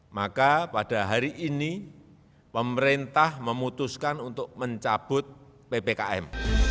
maka pada hari ini pemerintah memutuskan untuk mencabut ppkm